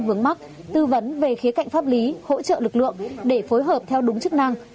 vướng mắt tư vấn về khía cạnh pháp lý hỗ trợ lực lượng để phối hợp theo đúng chức năng